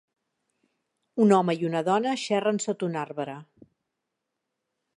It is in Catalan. Un home i una dona xerren sota un arbre.